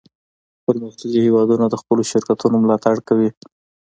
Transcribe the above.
پرمختللي هیوادونه د خپلو شرکتونو ملاتړ کوي